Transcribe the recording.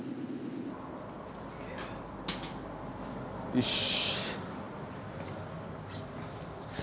よし！